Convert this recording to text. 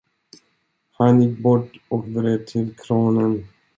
Han gick bort och vred till kranen.